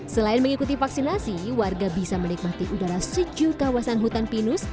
selain mengikuti vaksinasi warga bisa menikmati udara sejuk kawasan hutan pinus